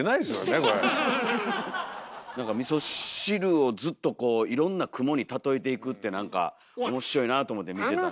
何かみそ汁をずっとこういろんな雲に例えていくって何か面白いなあと思って見てた。